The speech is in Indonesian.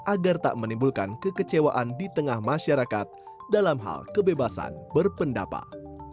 agar tak menimbulkan kekecewaan di tengah masyarakat dalam hal kebebasan berpendapat